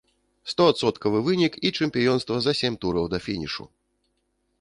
Стоадсоткавы вынік і чэмпіёнства за сем тураў да фінішу!